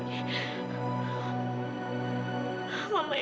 ini semua emang salah evita